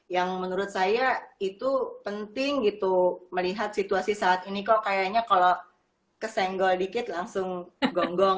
yang menurut saya itu penting gitu melihat situasi saat ini kok kayaknya kalau kesenggol dikit langsung gonggong